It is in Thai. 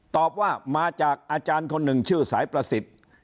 ตอบว่ามาจากอาจารย์คนหนึ่งชื่อสายประสิทธิ์